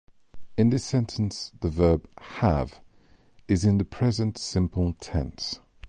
In this sentence, the verb "have" is in the present simple tense.